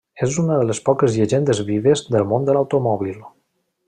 És una de les poques llegendes vives del món de l'automòbil.